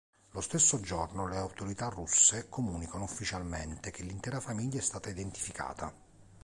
Lo stesso giorno le autorità russe comunicano ufficialmente che l'intera famiglia è stata identificata.